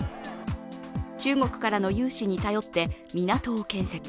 中国からの融資に頼って港を建設。